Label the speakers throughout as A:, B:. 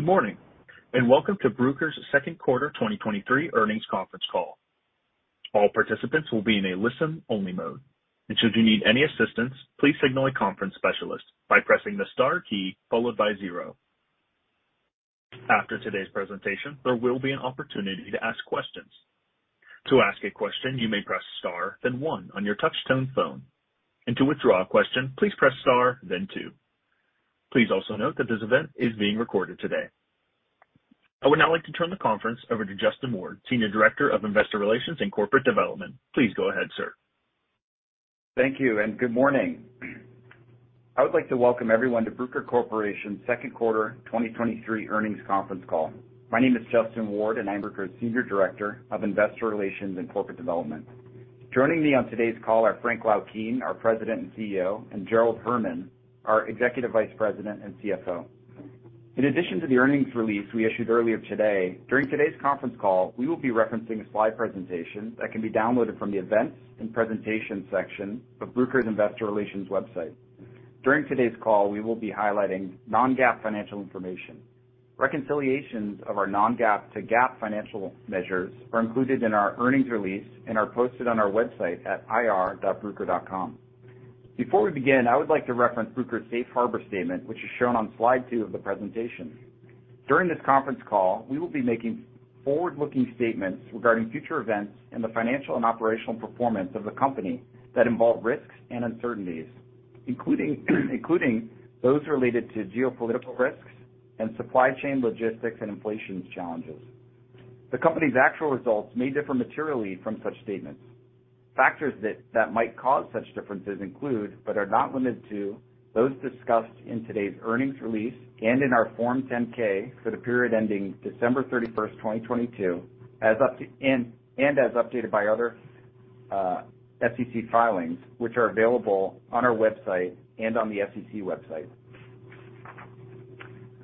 A: Good morning, and welcome to Bruker's second quarter 2023 earnings conference call. All participants will be in a listen-only mode, and should you need any assistance, please signal a conference specialist by pressing the star key followed by zero. After today's presentation, there will be an opportunity to ask questions. To ask a question, you may press Star, then one on your touchtone phone, and to withdraw a question, please press Star, then two. Please also note that this event is being recorded today. I would now like to turn the conference over to Justin Ward, Senior Director of Investor Relations and Corporate Development. Please go ahead, sir.
B: Thank you. Good morning. I would like to welcome everyone to Bruker Corporation's second quarter 2023 earnings conference call. My name is Justin Ward. I'm Bruker's Senior Director of Investor Relations and Corporate Development. Joining me on today's call are Frank Laukien, our President and CEO, and Gerald Herman, our Executive Vice President and CFO. In addition to the earnings release we issued earlier today, during today's conference call, we will be referencing a slide presentation that can be downloaded from the Events and Presentations section of Bruker's Investor Relations website. During today's call, we will be highlighting non-GAAP financial information. Reconciliations of our non-GAAP to GAAP financial measures are included in our earnings release and are posted on our website at ir.bruker.com. Before we begin, I would like to reference Bruker's Safe Harbor statement, which is shown on slide 2 of the presentation. During this conference call, we will be making forward-looking statements regarding future events and the financial and operational performance of the company that involve risks and uncertainties, including those related to geopolitical risks and supply chain logistics and inflation challenges. The company's actual results may differ materially from such statements. Factors that might cause such differences include, but are not limited to, those discussed in today's earnings release and in our Form 10-K for the period ending December 31st, 2022, as updated by other SEC filings, which are available on our website and on the SEC website.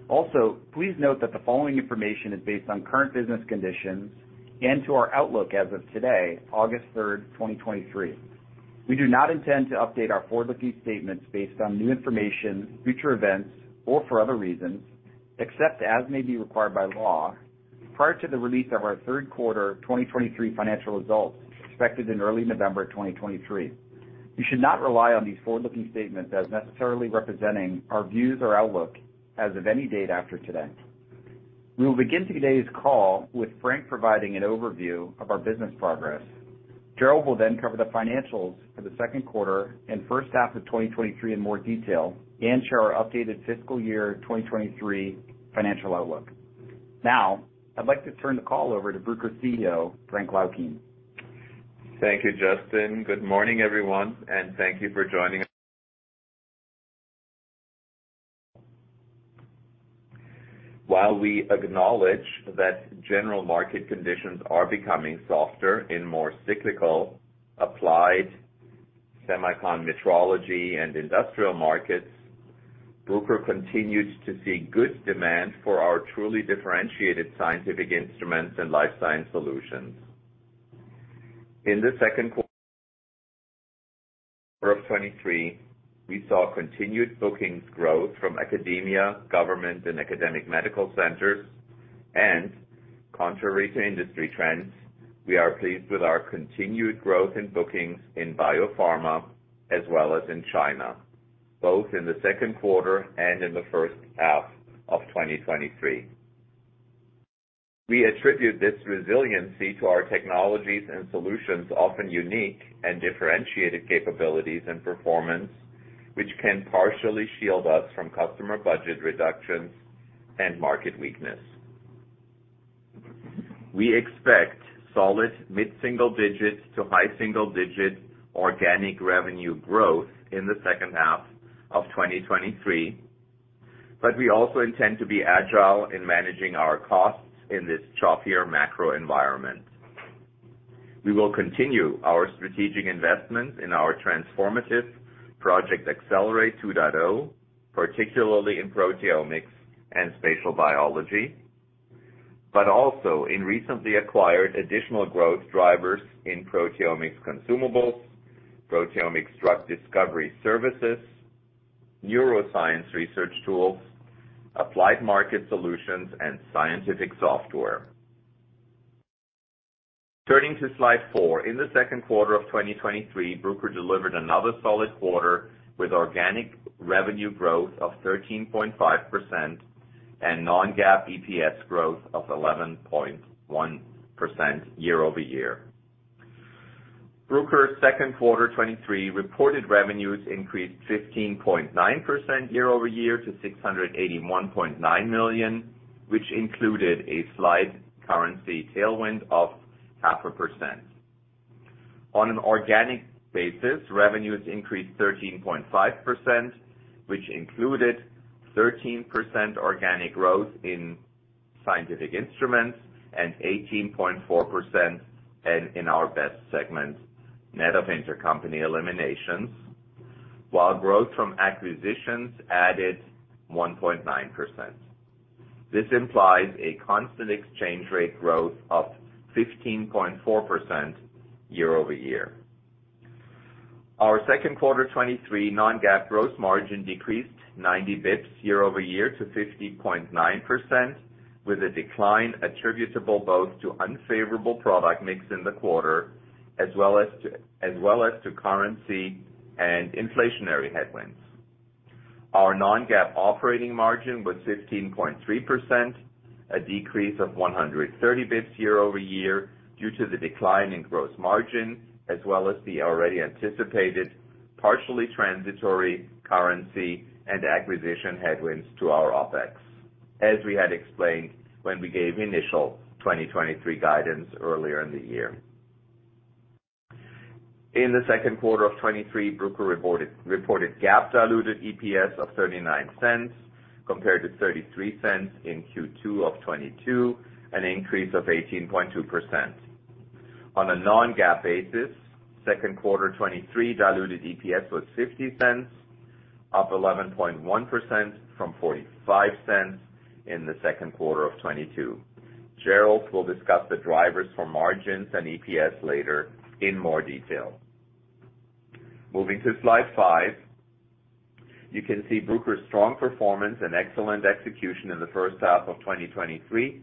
B: Also, please note that the following information is based on current business conditions and to our outlook as of today, August 3rd, 2023. We do not intend to update our forward-looking statements based on new information, future events, or for other reasons, except as may be required by law, prior to the release of our third quarter 2023 financial results, expected in early November of 2023. You should not rely on these forward-looking statements as necessarily representing our views or outlook as of any date after today. We will begin today's call with Frank providing an overview of our business progress. Gerald will then cover the financials for the second quarter and first half of 2023 in more detail, and share our updated fiscal year 2023 financial outlook. Now, I'd like to turn the call over to Bruker CEO, Frank Laukien.
C: Thank you, Justin. Good morning, everyone, thank you for joining us. While we acknowledge that general market conditions are becoming softer in more cyclical, applied semicon metrology and industrial markets, Bruker continues to see good demand for our truly differentiated scientific instruments and life science solutions. In the second quarter of 2023, we saw continued bookings growth from academia, government, and academic medical centers. Contrary to industry trends, we are pleased with our continued growth in bookings in biopharma as well as in China, both in the second quarter and in the first half of 2023. We attribute this resiliency to our technologies and solutions, often unique and differentiated capabilities and performance, which can partially shield us from customer budget reductions and market weakness. We expect solid mid-single-digits to high-single-digit organic revenue growth in the second half of 2023, but we also intend to be agile in managing our costs in this choppier macro environment. We will continue our strategic investment in our transformative Project Accelerate 2.0, particularly in proteomics and spatial biology, but also in recently acquired additional growth drivers in proteomics consumables, proteomics drug discovery services, neuroscience research tools, applied market solutions, and scientific software. Turning to slide 4. In the second quarter of 2023, Bruker delivered another solid quarter with organic revenue growth of 13.5% and non-GAAP EPS growth of 11.1% year-over-year. Bruker's second quarter 2023 reported revenues increased 15.9% year-over-year to $681.9 million, which included a slight currency tailwind of 0.5%. On an organic basis, revenues increased 13.5%, which included 13% organic growth in scientific instruments and 18.4% in our BEST segments, net of intercompany eliminations, while growth from acquisitions added 1.9%. This implies a constant exchange rate growth of 15.4% year-over-year. Our second quarter 2023 non-GAAP gross margin decreased 90 basis points year-over-year to 50.9%, with a decline attributable both to unfavorable product mix in the quarter, as well as to currency and inflationary headwinds. Our non-GAAP operating margin was 15.3%, a decrease of 130 basis points year-over-year due to the decline in gross margin, as well as the already anticipated partially transitory currency and acquisition headwinds to our OpEx, as we had explained when we gave initial 2023 guidance earlier in the year. In the second quarter of 2023, Bruker reported GAAP diluted EPS of $0.39, compared to $0.33 in Q2 of 2022, an increase of 18.2%. On a non-GAAP basis, second quarter 2023 diluted EPS was $0.50, up 11.1% from $0.45 in the second quarter of 2022. Gerald will discuss the drivers for margins and EPS later in more detail. Moving to slide 5, you can see Bruker's strong performance and excellent execution in the first half of 2023,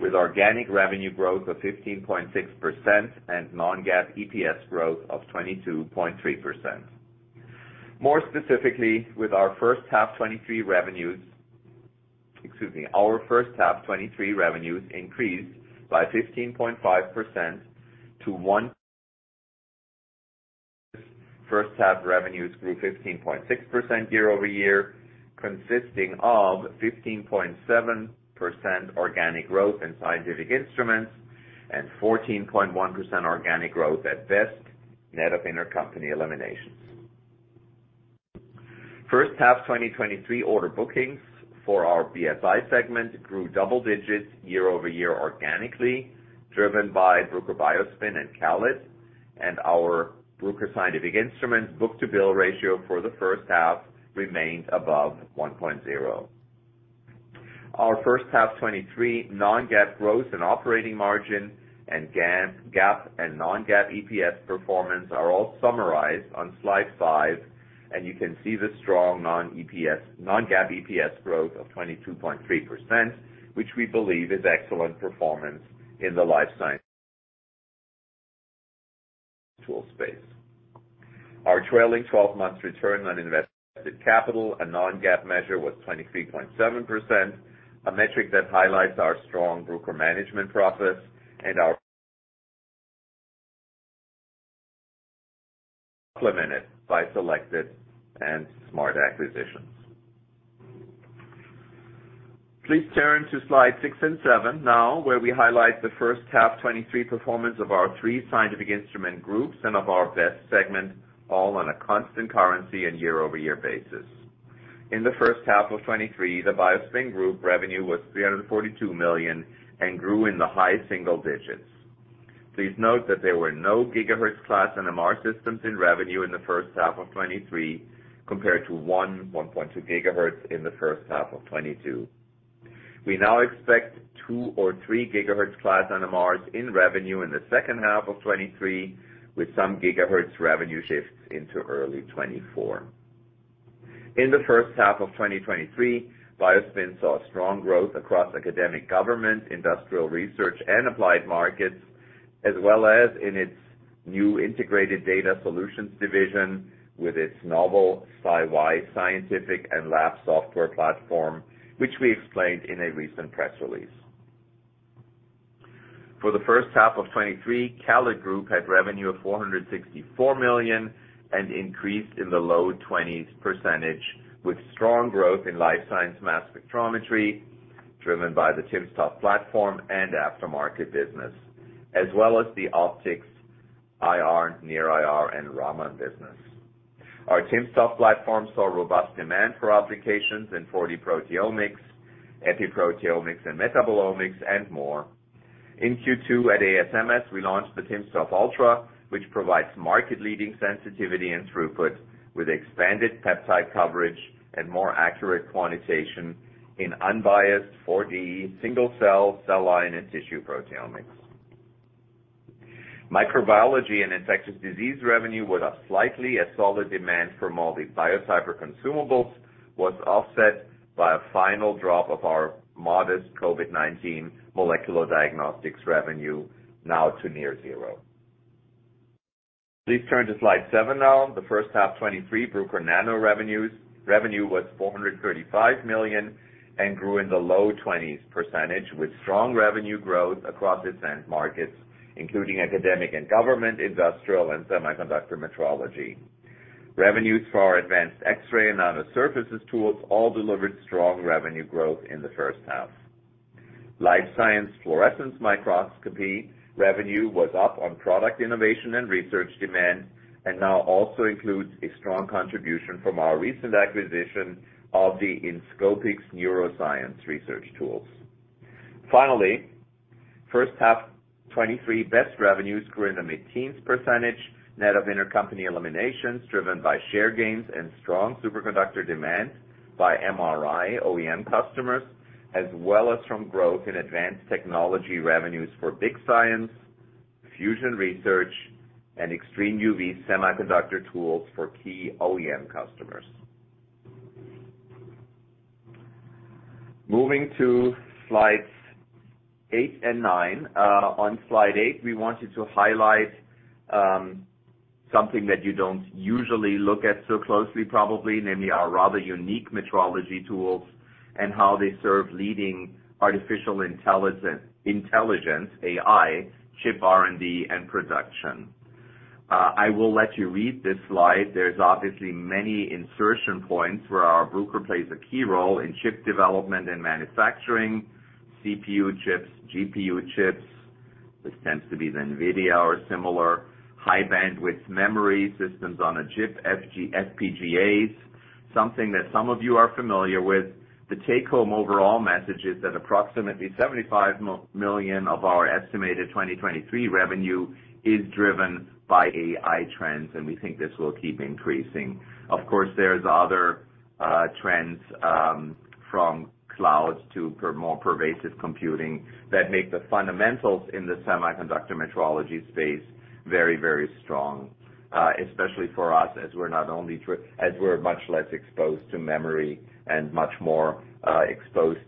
C: with organic revenue growth of 15.6% and non-GAAP EPS growth of 22.3%. Excuse me, first half revenues grew 15.6% year-over-year, consisting of 15.7% organic growth in scientific instruments and 14.1% organic growth at BEST, net of intercompany eliminations. First half 2023 order bookings for our BSI segment grew double digits year-over-year organically, driven by Bruker BioSpin and CALID, and our Bruker scientific instruments book-to-bill ratio for the first half remained above 1.0. Our first half 2023 non-GAAP gross and operating margin and GAAP and non-GAAP EPS performance are all summarized on slide 5, you can see the strong non-GAAP EPS growth of 22.3%, which we believe is excellent performance in the life science tool space. Our trailing 12 months return on invested capital and non-GAAP measure was 23.7%, a metric that highlights our strong Bruker Management Process and our implemented by selected and smart acquisitions. Please turn to slide 6 and 7 now, where we highlight the first half 2023 performance of our three scientific instrument groups and of our BEST segment, all on a constant currency and year-over-year basis. In the first half of 2023, the BioSpin Group revenue was $342 million and grew in the high single digits. Please note that there were no gigahertz class NMR systems in revenue in the first half of 2023, compared to 1.2 gigahertz in the first half of 2022. We now expect 2 or 3 gigahertz class NMRs in revenue in the second half of 2023, with some gigahertz revenue shifts into early 2024. In the first half of 2023, BioSpin saw strong growth across academic, government, industrial research, and applied markets, as well as in its new integrated data solutions division with its novel SciY scientific and lab software platform, which we explained in a recent press release. For the first half of 2023, CALID Group had revenue of $464 million and increased in the low 20s%, with strong growth in life science mass spectrometry, driven by the timsTOF platform and aftermarket business, as well as the optics IR, Near-IR, and Raman business. Our timsTOF platform saw robust demand for applications in 4D proteomics, epiproteomics, and metabolomics, and more. In Q2, at ASMS, we launched the timsTOF Ultra, which provides market-leading sensitivity and throughput with expanded peptide coverage and more accurate quantitation in unbiased 4D, single-cell, cell line, and tissue proteomics. Microbiology and infectious disease revenue was up slightly, as solid demand from all the Biotyper consumables was offset by a final drop of our modest COVID-19 molecular diagnostics revenue, now to near zero. Please turn to slide seven now. The first half, 2023 Bruker Nano revenues. Revenue was $435 million and grew in the low 20s percentage, with strong revenue growth across its end markets, including academic and government, industrial, and semiconductor metrology. Revenues for our advanced X-ray and nanoservices tools all delivered strong revenue growth in the first half. Life science fluorescence microscopy revenue was up on product innovation and research demand, and now also includes a strong contribution from our recent acquisition of the Inscopix Neuroscience research tools. Finally, first half 2023 BEST revenues grew in the mid-teens percentage, net of intercompany eliminations, driven by share gains and strong superconductor demand by MRI, OEM customers. as well as from growth in advanced technology revenues for big science, fusion research, and extreme UV semiconductor tools for key OEM customers. Moving to slides 8 and 9. On slide 8, we wanted to highlight something that you don't usually look at so closely, probably, namely our rather unique metrology tools and how they serve leading artificial intelligence, AI, chip R&D, and production. I will let you read this slide. There's obviously many insertion points where our Bruker plays a key role in chip development and manufacturing, CPU chips, GPU chips. This tends to be the NVIDIA or similar high bandwidth memory systems on a chip, FPGAs, something that some of you are familiar with. The take-home overall message is that approximately $75 million of our estimated 2023 revenue is driven by AI trends, and we think this will keep increasing. Of course, there's other trends from clouds to more pervasive computing that make the fundamentals in the semiconductor metrology space very, very strong, especially for us, as we're not only as we're much less exposed to memory and much more exposed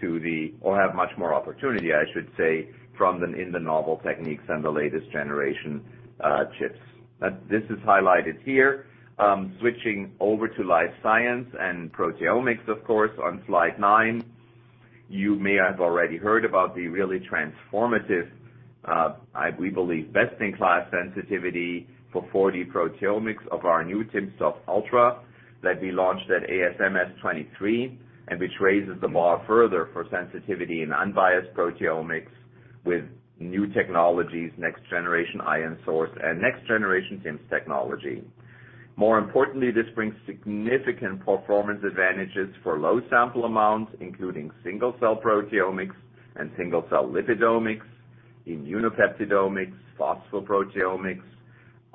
C: to the-- or have much more opportunity, I should say, from the, in the novel techniques and the latest generation chips. This is highlighted here. Switching over to life science and proteomics, of course, on slide 9. You may have already heard about the really transformative, we believe, best-in-class sensitivity for 4D proteomics of our new timsTOF Ultra that we launched at ASMS 2023, and which raises the bar further for sensitivity in unbiased proteomics with new technologies, next generation ion source, and next generation TIMS technology. More importantly, this brings significant performance advantages for low sample amounts, including single-cell proteomics and single-cell lipidomics, immunopeptidomics, phosphoproteomics,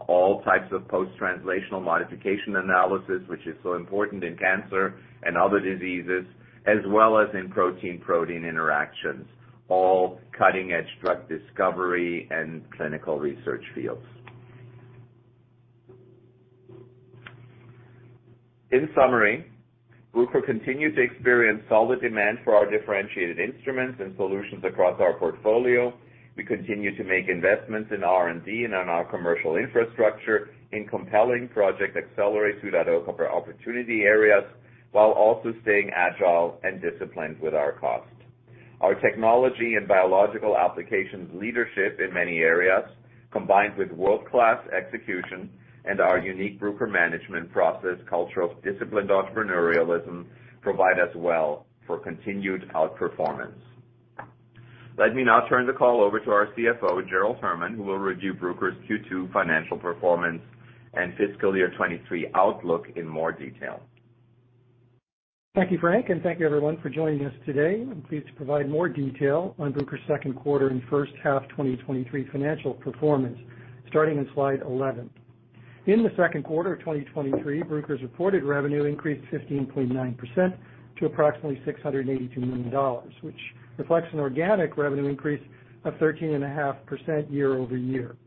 C: all types of post-translational modification analysis, which is so important in cancer and other diseases, as well as in protein-protein interactions, all cutting-edge drug discovery and clinical research fields. In summary, Bruker continued to experience solid demand for our differentiated instruments and solutions across our portfolio. We continue to make investments in R&D and on our commercial infrastructure in compelling Project Accelerate 2.0 for opportunity areas, while also staying agile and disciplined with our cost. Our technology and biological applications leadership in many areas, combined with world-class execution and our unique Bruker Management Process, cultural disciplined entrepreneurialism, provide us well for continued outperformance. Let me now turn the call over to our CFO, Gerald Herman, who will review Bruker's Q2 financial performance and fiscal year 2023 outlook in more detail.
D: Thank you, Frank. Thank you everyone for joining us today. I'm pleased to provide more detail on Bruker's second quarter and first half 2023 financial performance, starting on slide 11. In the second quarter of 2023, Bruker's reported revenue increased 15.9% to approximately $682 million, which reflects an organic revenue increase of 13.5% year-over-year.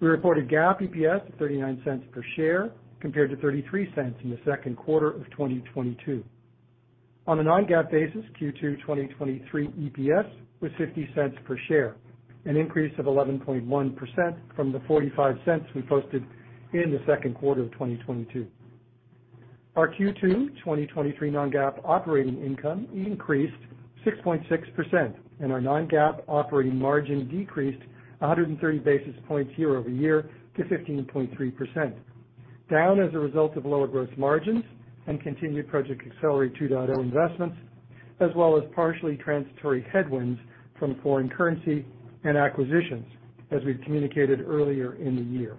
D: We reported GAAP EPS of $0.39 per share, compared to $0.33 in the second quarter of 2022. On a non-GAAP basis, Q2 2023 EPS was $0.50 per share, an increase of 11.1% from the $0.45 we posted in the second quarter of 2022. Our Q2 2023 non-GAAP operating income increased 6.6%, and our non-GAAP operating margin decreased 130 basis points year-over-year to 15.3%, down as a result of lower gross margins and continued Project Accelerate 2.0 investments, as well as partially transitory headwinds from foreign currency and acquisitions, as we've communicated earlier in the year.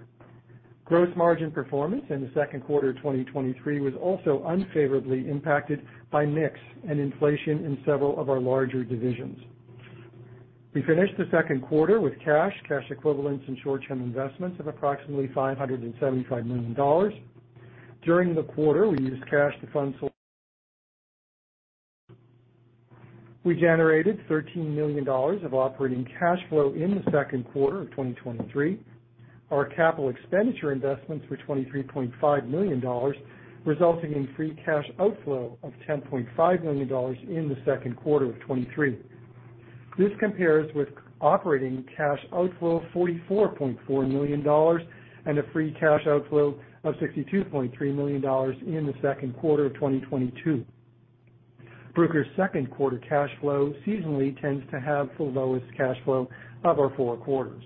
D: Gross margin performance in the second quarter of 2023 was also unfavorably impacted by mix and inflation in several of our larger divisions. We finished the second quarter with cash, cash equivalents, and short-term investments of approximately $575 million. During the quarter, we used cash to fund source. We generated $13 million of operating cash flow in the second quarter of 2023. Our CapEx investments were $23.5 million, resulting in free cash outflow of $10.5 million in the second quarter of 2023. This compares with operating cash outflow, $44.4 million, and a free cash outflow of $62.3 million in the second quarter of 2022. Bruker's second quarter cash flow seasonally tends to have the lowest cash flow of our four quarters.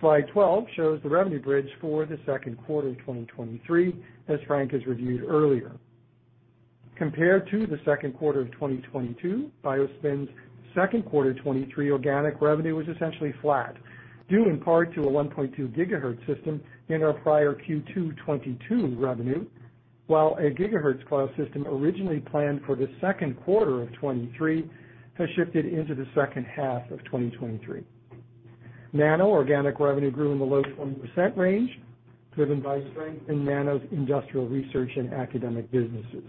D: Slide 12 shows the revenue bridge for the second quarter of 2023, as Frank has reviewed earlier. Compared to the second quarter of 2022, BioSpin's second quarter 2023 organic revenue was essentially flat, due in part to a 1.2 gigahertz system in our prior Q2 2022 revenue, while a gigahertz class system originally planned for the second quarter of 2023 has shifted into the second half of 2023. Nano organic revenue grew in the low 20% range, driven by strength in Nano's industrial research and academic businesses.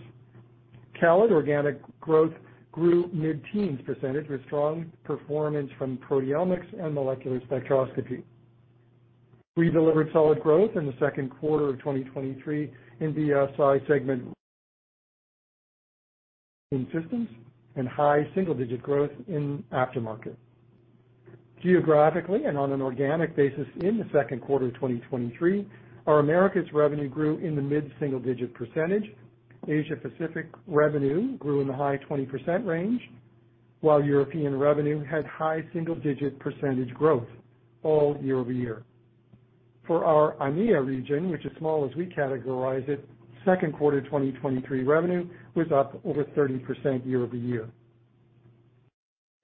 D: CALID organic growth grew mid-teens percentage, with strong performance from proteomics and molecular spectroscopy. We delivered solid growth in the second quarter of 2023 in the SI segment, in systems, and high single-digit growth in aftermarket. Geographically and on an organic basis, in the second quarter of 2023, our Americas revenue grew in the mid-single-digit percentage. Asia Pacific revenue grew in the high 20% range, while European revenue had high single-digit percentage growth all year-over-year. For our AMEA region, which is small as we categorize it, second quarter 2023 revenue was up over 30% year-over-year.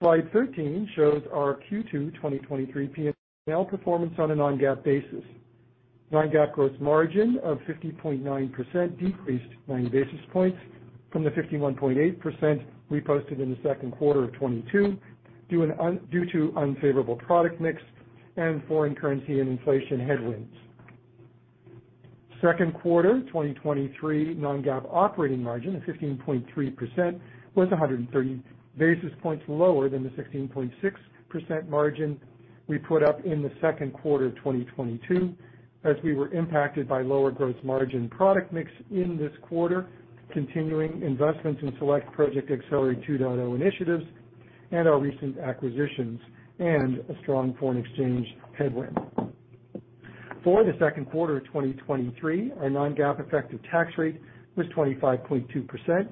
D: Slide 13 shows our Q2 2023 PNL performance on a non-GAAP basis. Non-GAAP gross margin of 50.9% decreased 9 basis points from the 51.8% we posted in the second quarter of 2022, due to unfavorable product mix and foreign currency and inflation headwinds. Second quarter 2023 non-GAAP operating margin of 15.3% was 130 basis points lower than the 16.6% margin we put up in the second quarter of 2022, as we were impacted by lower gross margin product mix in this quarter, continuing investments in select Project Accelerate 2.0 initiatives, and our recent acquisitions, and a strong foreign exchange headwind. For the second quarter of 2023, our non-GAAP effective tax rate was 25.2%,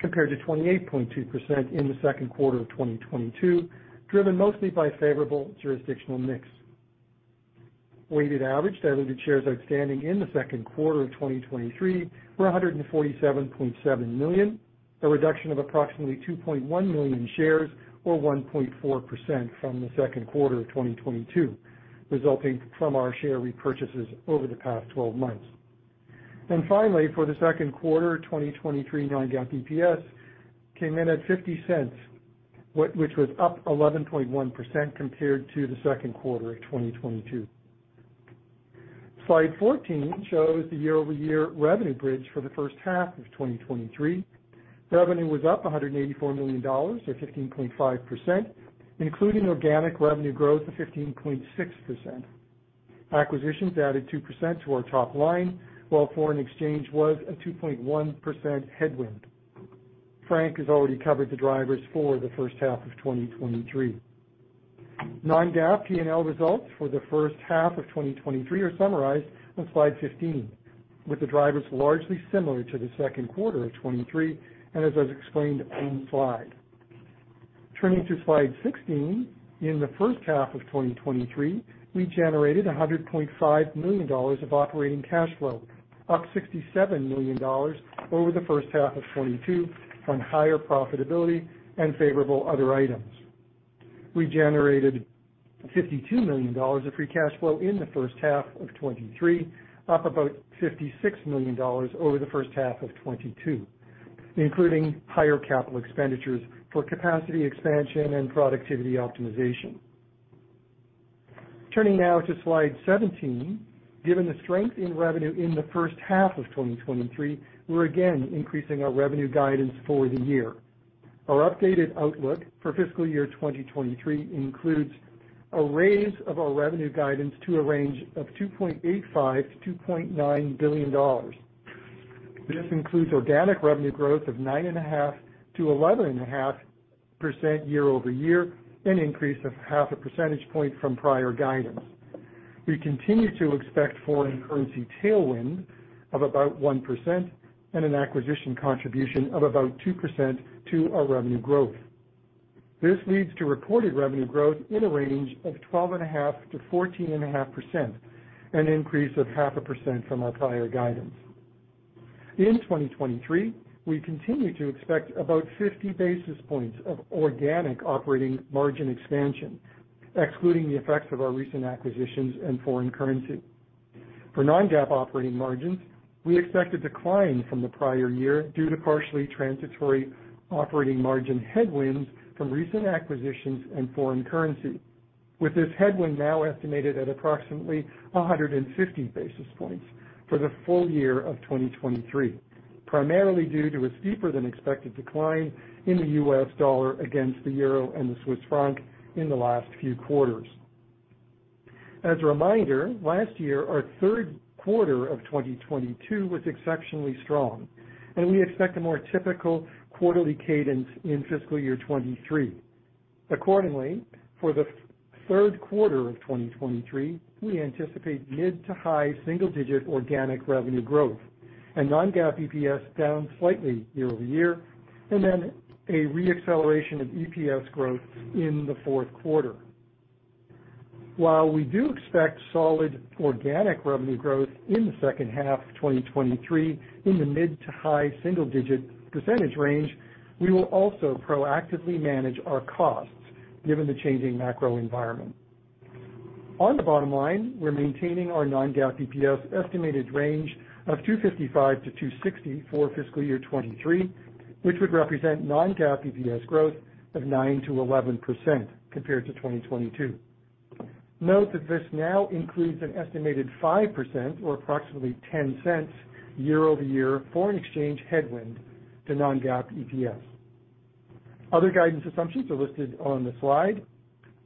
D: compared to 28.2% in the second quarter of 2022, driven mostly by favorable jurisdictional mix. Weighted average diluted shares outstanding in the second quarter of 2023 were 147.7 million, a reduction of approximately 2.1 million shares or 1.4% from the second quarter of 2022, resulting from our share repurchases over the past 12 months. For the second quarter of 2023, non-GAAP EPS came in at $0.50, which was up 11.1% compared to the second quarter of 2022. Slide 14 shows the year-over-year revenue bridge for the first half of 2023. Revenue was up $184 million, or 15.5%, including organic revenue growth of 15.6%. Acquisitions added 2% to our top line, while foreign exchange was a 2.1% headwind. Frank has already covered the drivers for the first half of 2023. Non-GAAP PNL results for the first half of 2023 are summarized on slide 15, with the drivers largely similar to the second quarter of 2023. As I've explained on the slide. Turning to slide 16, in the first half of 2023, we generated $100.5 million of operating cash flow, up $67 million over the first half of 2022 on higher profitability and favorable other items. We generated $52 million of free cash flow in the first half of 2023, up about $56 million over the first half of 2022, including higher CapEx for capacity expansion and productivity optimization. Turning now to slide 17, given the strength in revenue in the first half of 2023, we're again increasing our revenue guidance for the year. Our updated outlook for fiscal year 2023 includes a raise of our revenue guidance to a range of $2.85 billion-$2.9 billion. This includes organic revenue growth of 9.5%-11.5% year-over-year, an increase of 0.5 percentage point from prior guidance. We continue to expect foreign currency tailwind of about 1% and an acquisition contribution of about 2% to our revenue growth. This leads to reported revenue growth in a range of 12.5%-14.5%, an increase of 0.5% from our prior guidance. In 2023, we continue to expect about 50 basis points of organic operating margin expansion, excluding the effects of our recent acquisitions and foreign currency. For non-GAAP operating margins, we expect a decline from the prior year due to partially transitory operating margin headwinds from recent acquisitions and foreign currency, with this headwind now estimated at approximately 150 basis points for the full year of 2023, primarily due to a steeper than expected decline in the U.S. dollar against the euro and the Swiss franc in the last few quarters. As a reminder, last year, our third quarter of 2022 was exceptionally strong, and we expect a more typical quarterly cadence in fiscal year 2023. Accordingly, for the third quarter of 2023, we anticipate mid to high single-digit organic revenue growth and non-GAAP EPS down slightly year-over-year, and then a re-acceleration of EPS growth in the fourth quarter. While we do expect solid organic revenue growth in the second half of 2023 in the mid to high single-digit percentage range, we will also proactively manage our costs given the changing macro environment. On the bottom line, we're maintaining our non-GAAP EPS estimated range of $2.55-$2.60 for fiscal year 2023. Which would represent non-GAAP EPS growth of 9%-11% compared to 2022. Note that this now includes an estimated 5% or approximately $0.10 year-over-year foreign exchange headwind to non-GAAP EPS. Other guidance assumptions are listed on the slide.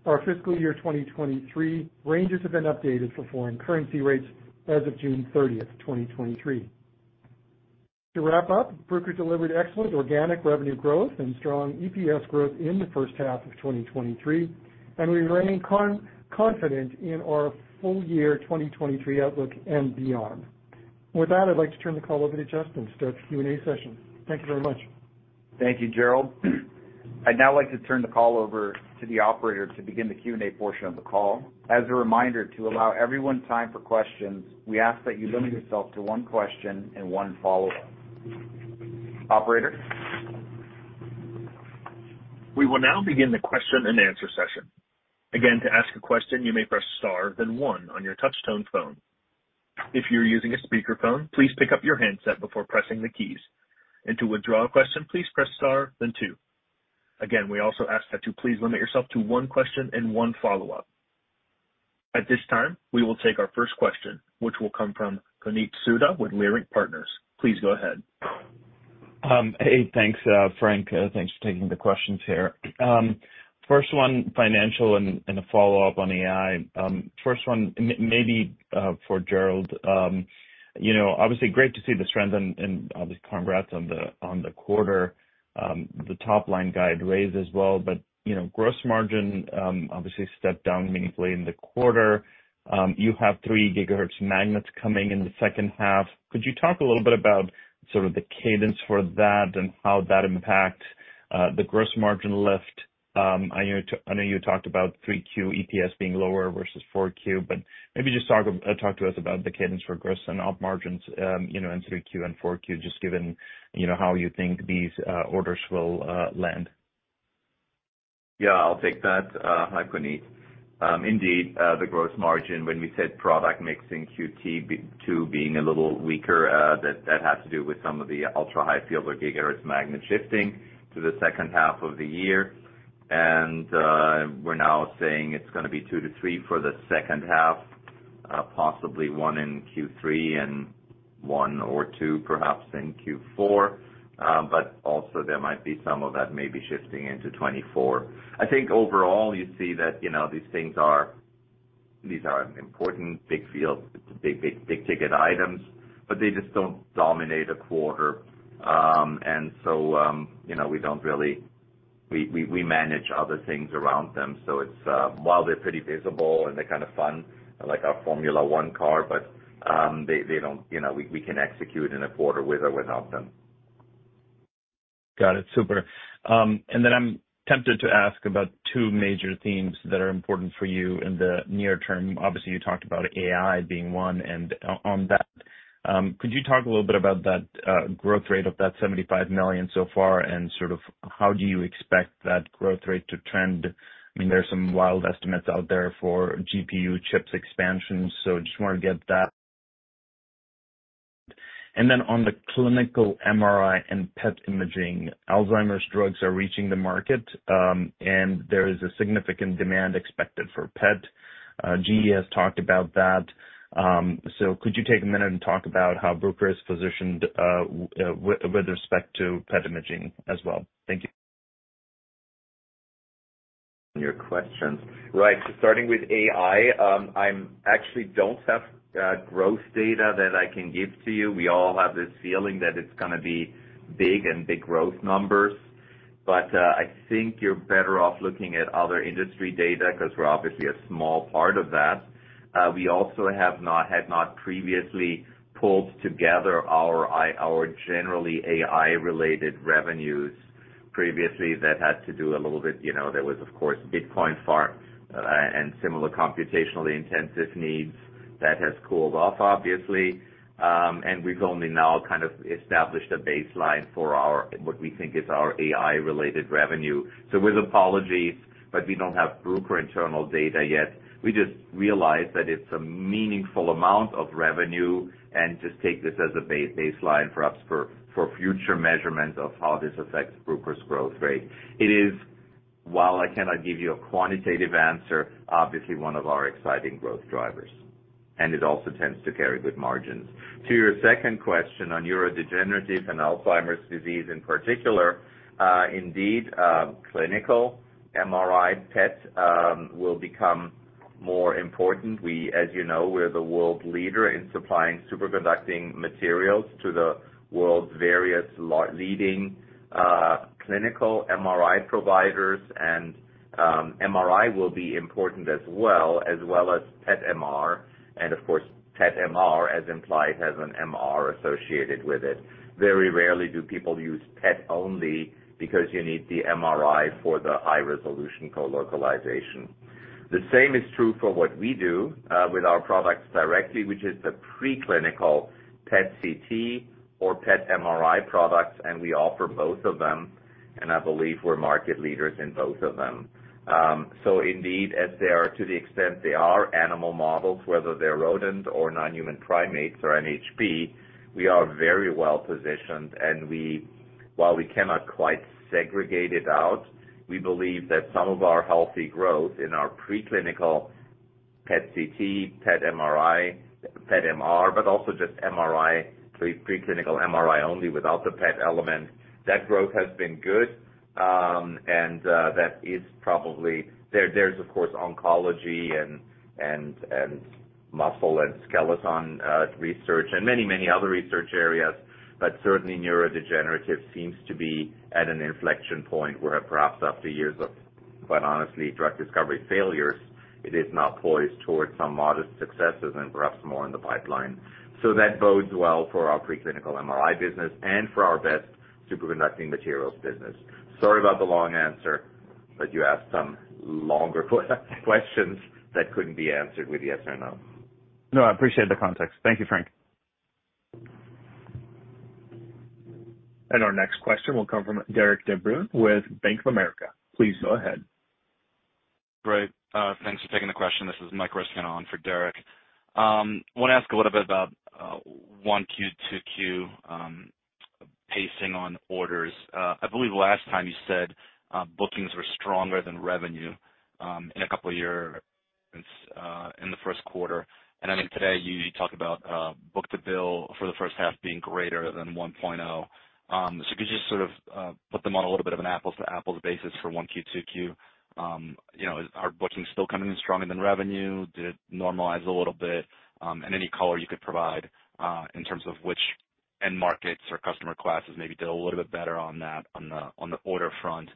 D: Our fiscal year 2023 ranges have been updated for foreign currency rates as of June 30th, 2023. To wrap up, Bruker delivered excellent organic revenue growth and strong EPS growth in the first half of 2023, and we remain confident in our full year 2023 outlook and beyond. With that, I'd like to turn the call over to Justin to start the Q&A session. Thank you very much.
B: Thank you, Gerald. I'd now like to turn the call over to the operator to begin the Q&A portion of the call. As a reminder, to allow everyone time for questions, we ask that you limit yourself to one question and one follow-up. Operator?
A: We will now begin the question and answer session. Again, to ask a question, you may press star, then one on your touch-tone phone. If you're using a speakerphone, please pick up your handset before pressing the keys. To withdraw a question, please press star then two. Again, we also ask that you please limit yourself to one question and one follow-up. At this time, we will take our first question, which will come from Puneet Souda with Leerink Partners. Please go ahead.
E: Hey, thanks, Frank. Thanks for taking the questions here. First one, financial and a follow-up on AI. First one, maybe for Gerald. You know, obviously great to see the strength and obviously, congrats on the quarter, the top line guide raised as well. You know, gross margin obviously stepped down meaningfully in the quarter. You have 3 gigahertz magnets coming in the second half. Could you talk a little bit about sort of the cadence for that and how that impacts the gross margin lift? I know, I know you talked about 3Q EPS being lower versus 4Q, but maybe just talk to us about the cadence for gross and op margins, in 3Q and 4Q, just given how you think these orders will land?
C: Yeah, I'll take that. Hi, Puneet. Indeed, the gross margin, when we said product mixing Q2 to being a little weaker, that has to do with some of the ultra-high field or gigahertz magnet shifting to the second half of the year. We're now saying it's gonna be 2-3 for the second half, possibly 1 in Q3 and 1 or 2, perhaps in Q4. Also there might be some of that may be shifting into 2024. I think overall, you see that, you know, these things are. These are important big fields, big, big, big-ticket items, but they just don't dominate a quarter. So, you know, we don't we, we, we manage other things around them. While they're pretty visible and they're kind of fun, like our Formula One car, but, they don't, you know, we, we can execute in a quarter with or without them.
E: Got it. Super. Then I'm tempted to ask about 2 major themes that are important for you in the near term. Obviously, you talked about AI being one, on that, could you talk a little bit about that growth rate of that $75 million so far, and sort of how do you expect that growth rate to trend? I mean, there are some wild estimates out there for GPU chips expansions, just want to get that. Then on the clinical MRI and PET imaging, Alzheimer's drugs are reaching the market, and there is a significant demand expected for PET. GE has talked about that. Could you take a minute and talk about how Bruker is positioned with respect to PET imaging as well? Thank you.
C: Your questions. Right. Starting with AI, I'm actually don't have growth data that I can give to you. We all have this feeling that it's gonna be big and big growth numbers, I think you're better off looking at other industry data because we're obviously a small part of that. We also have not, had not previously pulled together our generally AI-related revenues previously. That had to do a little bit, you know, there was, of course, Bitcoin farm and similar computationally intensive needs. That has cooled off, obviously, we've only now kind of established a baseline for our, what we think is our AI-related revenue. With apologies, we don't have Bruker internal data yet. We just realized that it's a meaningful amount of revenue and just take this as a baseline for us for, for future measurement of how this affects Bruker's growth rate. It is, while I cannot give you a quantitative answer, obviously one of our exciting growth drivers, and it also tends to carry good margins. To your second question on neurodegenerative and Alzheimer's disease in particular, indeed, clinical MRI PET will become more important. We, as you know, we're the world leader in supplying superconducting materials to the world's various leading clinical MRI providers, and MRI will be important as well, as well as PET MR. Of course, PET MR, as implied, has an MR associated with it. Very rarely do people use PET only because you need the MRI for the high-resolution colocalization. The same is true for what we do with our products directly, which is the preclinical PET CT or PET MRI products, and we offer both of them. I believe we're market leaders in both of them. Indeed, as they are, to the extent they are animal models, whether they're rodents or non-human primates or NHP, we are very well positioned, and while we cannot quite segregate it out, we believe that some of our healthy growth in our preclinical PET CT, PET MRI, PET MR, but also just MRI, preclinical MRI only without the PET element, that growth has been good. That is probably there's, of course, oncology and muscle and skeleton research and many, many other research areas. Certainly neurodegenerative seems to be at an inflection point where perhaps after years of, quite honestly, drug discovery failures, it is now poised towards some modest successes and perhaps more in the pipeline. That bodes well for our preclinical MRI business and for our BEST superconducting materials business. Sorry about the long answer, but you asked some longer questions that couldn't be answered with yes or no.
E: No, I appreciate the context. Thank you, Frank.
A: Our next question will come from Derek De Bruin with Bank of America. Please go ahead.
F: Great. Thanks for taking the question. This is Mike Ryskin on for Derek. Want to ask a little bit about 1Q 2Q pacing on orders. I believe last time you said bookings were stronger than revenue in a couple of year in the first quarter. I think today you talked about book-to-bill for the first half being greater than 1.0. Could you just sort of put them on a little bit of an apples-to-apples basis for 1Q 2Q? You know, are bookings still coming in stronger than revenue? Did it normalize a little bit? Any color you could provide in terms of which end markets or customer classes maybe did a little bit better on that, on the, on the order front,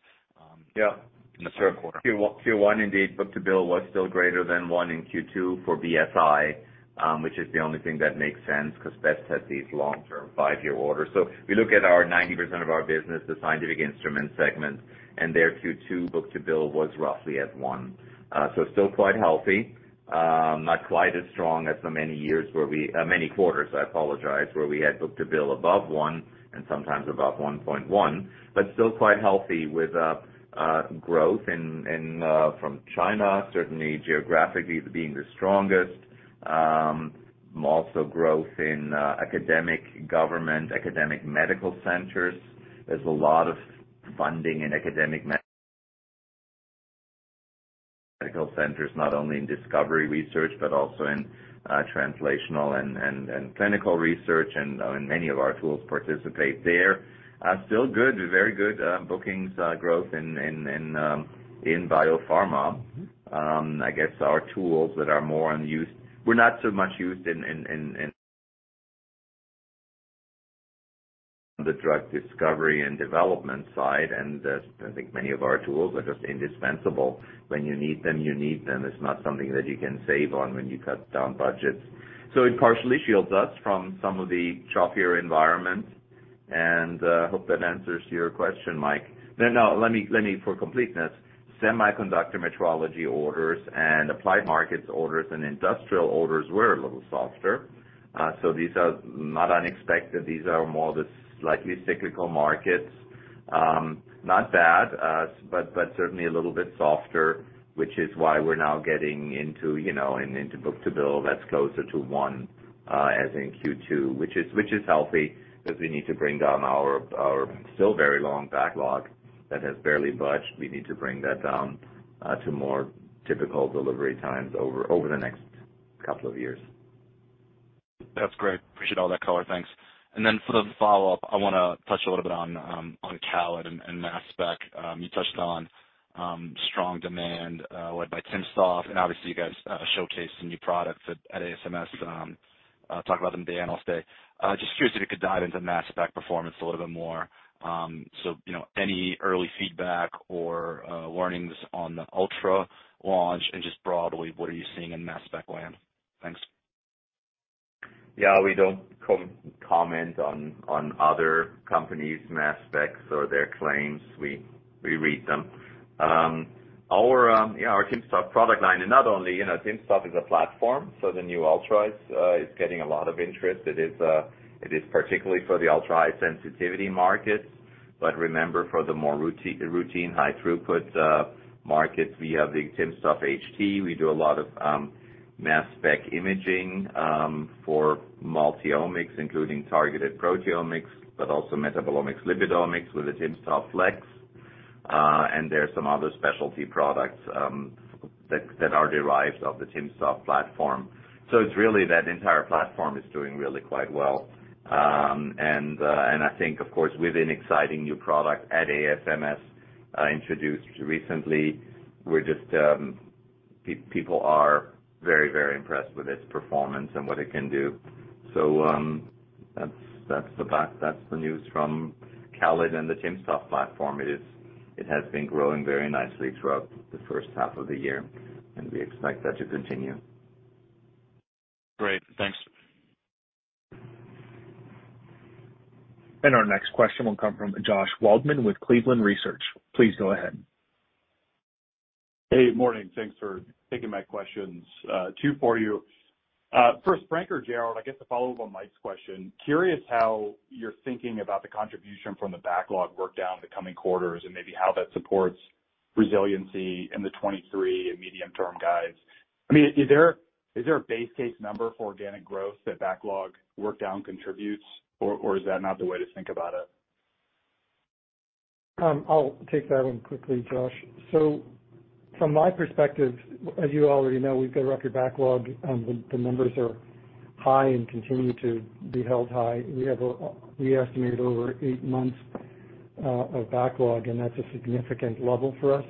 C: Yeah.
F: In the third quarter.
C: Q1, indeed, book-to-bill was still greater than 1 in Q2 for BSI, which is the only thing that makes sense because BEST has these long-term 5-year orders. If you look at our 90% of our business, the scientific instrument segment, their Q2 book-to-bill was roughly at 1. still quite healthy. Not quite as strong as the many years where we, many quarters, I apologize, where we had book-to-bill above 1 and sometimes above 1.1, but still quite healthy with growth from China, certainly geographically being the strongest. Also growth in academic, government, academic medical centers. There's a lot of funding in academic medical centers, not only in discovery research, but also in translational and clinical research, and many of our tools participate there. Still good, very good bookings growth in biopharma. I guess our tools that are more on use were not so much used in the drug discovery and development side, and I think many of our tools are just indispensable. When you need them, you need them. It's not something that you can save on when you cut down budgets. It partially shields us from some of the choppier environment, and hope that answers your question, Mike. Now, let me, let me for completeness, semiconductor metrology orders and applied markets orders and industrial orders were a little softer. These are not unexpected. These are more the slightly cyclical markets. Not bad, but, but certainly a little bit softer, which is why we're now getting into and into book-to-bill that's closer to 1, as in Q2, which is, which is healthy, because we need to bring down our, our still very long backlog that has barely budged. We need to bring that down to more typical delivery times over, over the next couple of years.
F: That's great. Appreciate all that color. Thanks. For the follow-up, I want to touch a little bit on CALID and mass spec. You touched on strong demand led by timsTOF, and obviously you guys showcased some new products at ASMS, talked about them day and all day. Just curious if you could dive into mass spec performance a little bit more. So, you know, any early feedback or warnings on the Ultra launch and just broadly, what are you seeing in mass spec land? Thanks.
C: Yeah, we don't comment on, on other companies, mass specs or their claims. We, we read them. Yeah, our timsTOF product line, and not only, you know, timsTOF is a platform, so the new Ultra is getting a lot of interest. It is particularly for the ultra-high sensitivity markets, but remember, for the more routine, routine high throughput markets, we have the timsTOF HT. We do a lot of mass spec imaging for multiomics, including targeted proteomics, but also metabolomics, lipidomics with the timsTOF fleX. There are some other specialty products that, that are derived of the timsTOF platform. It's really that entire platform is doing really quite well. I think, of course, with an exciting new product at ASMS introduced recently, we're just. People are very, very impressed with its performance and what it can do. That's, that's the news from CALID and the timsTOF platform. It is, it has been growing very nicely throughout the first half of the year, and we expect that to continue.
F: Great. Thanks.
A: Our next question will come from Josh Waldman with Cleveland Research. Please go ahead.
G: Hey, morning. Thanks for taking my questions. Two for you. First, Frank or Gerald, I guess to follow up on Mike's question, curious how you're thinking about the contribution from the backlog work down in the coming quarters and maybe how that supports resiliency in the 2023 and medium-term guides. I mean, is there, is there a base case number for organic growth that backlog work down contributes, or, or is that not the way to think about it?
D: I'll take that one quickly, Josh. From my perspective, as you already know, we've got record backlog. The, the numbers are high and continue to be held high. We have a- we estimate over 8 months of backlog, and that's a significant level for us.